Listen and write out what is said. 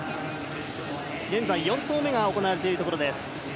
現在４投目が行われているところです。